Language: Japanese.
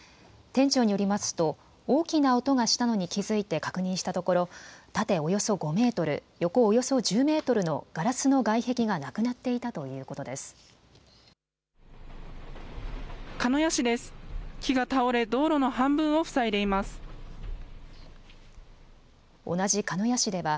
店長によりますと、大きな音がしたのに気付いて確認したところ、縦およそ５メートル、横およそ１０メートルのガラスの外壁がなく鹿屋市です。